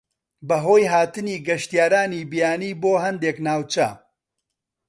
بەهۆی هاتنی گەشتیارانی بیانی بۆ هەندێک ناوچە